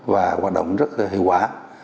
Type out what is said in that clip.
và hoạt động rất hay quả